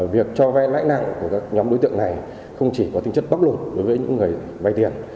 việc cho vay lãi nặng của các nhóm đối tượng này không chỉ có tính chất bóc lột đối với những người vay tiền